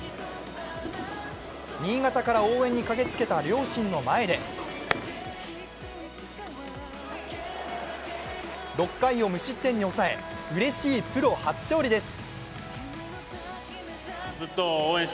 新潟から応援に駆けつけた両親の前で６回を無失点に抑え、うれしいプロ初勝利です。